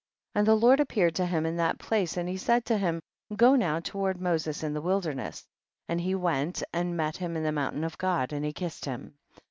14. And the Lord appeared to him in that place, and he said to him, go now toward Moses in the wilderness, and he went and met him in the mountain of God, and he kissed him.